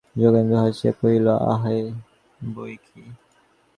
যোগেন্দ্র হাসিয়া কহিল, আছে বৈকি।